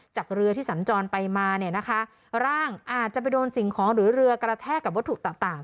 จากเรือที่สัญจรไปมาล่างอาจจะไปโดนสิ่งของหรือเรือกระแทกกับวัตถุต่าง